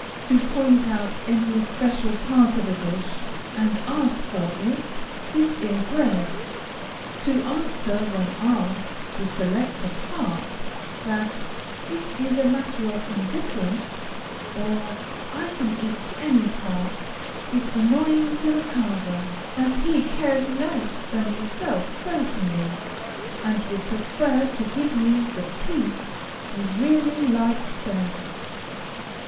To point out any especial part of a dish, and ask for it, is ill bred. To answer, when asked to select a part, that "it is a matter of indifference," or, "I can eat any part," is annoying to the carver, as he cares less than yourself certainly, and would prefer to give you the piece you really like best.